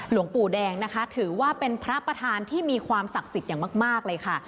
หลวงปู่แดงนะคะถือว่าเป็นพระประธานที่มีความศักดิ์สิทธิ์อย่างมากเลยค่ะ